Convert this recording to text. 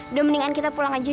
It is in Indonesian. udah mendingan kita pulang aja